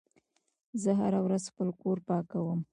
زه هره ورځ خپل کور پاکوم.